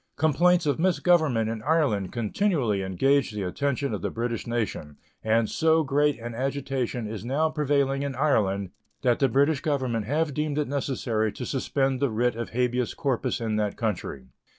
Complaints of misgovernment in Ireland continually engage the attention of the British nation, and so great an agitation is now prevailing in Ireland that the British Government have deemed it necessary to suspend the writ of habeas corpus in that country.